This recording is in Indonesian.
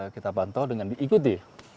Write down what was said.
kita pantau dengan diikuti